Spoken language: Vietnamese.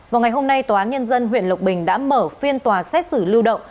vào ngày hôm nay tòa án nhân dân huyện lộc bình đã mở phiên tòa xét xử lưu động